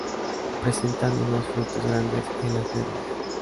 Presentan unos frutos grandes en las brevas.